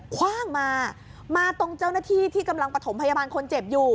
คว่างมามาตรงเจ้าหน้าที่ที่กำลังประถมพยาบาลคนเจ็บอยู่